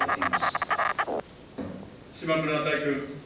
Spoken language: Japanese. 島村大君。